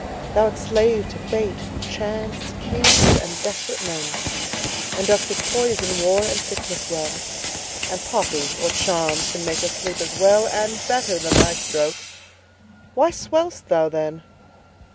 Thou'rt slave to fate, chance, kings, and desperate men, And dost with poison, war, and sickness dwell; And poppy or charms can make us sleep as well And better than thy stroke. Why swell'st thou then?